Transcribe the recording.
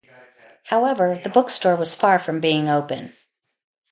However, the book store was far from being open.